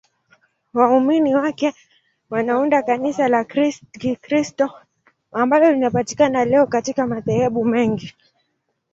Waumini wake wanaunda Kanisa la Kikristo ambalo linapatikana leo katika madhehebu mengi.